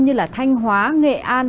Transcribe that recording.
như là thanh hóa nghệ an